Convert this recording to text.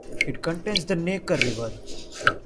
It contains the Neckar river.